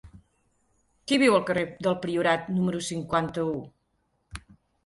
Qui viu al carrer del Priorat número cinquanta-u?